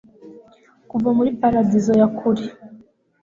Kuva muri paradizo ya kure